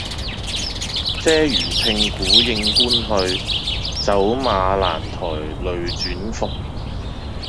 嗟余聽鼓應官去，走馬蘭台類轉蓬。